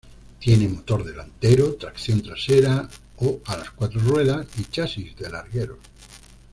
Tiene motor delantero, tracción trasera o a las cuatro ruedas, y chasis de largueros.